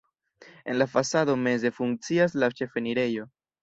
En la fasado meze funkcias la ĉefenirejo.